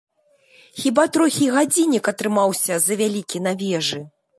Хіба трохі гадзіннік атрымаўся завялікі на вежы.